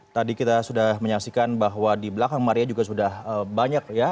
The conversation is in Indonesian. tadi kita sudah menyaksikan bahwa di belakang maria juga sudah banyak ya